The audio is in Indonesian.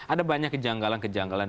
ada banyak kejanggalan kejanggalan